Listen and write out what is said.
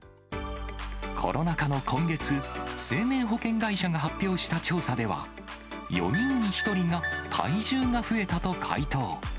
コロナ禍の今月、生命保険会社が発表した調査では、４人に１人が体重が増えたと回答。